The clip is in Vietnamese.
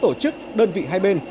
một số tổ chức đơn vị hai bên